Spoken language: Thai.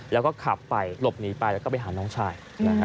แล้วก็ขับไปหลบหนีไปแล้วก็ไปหาน้องชาย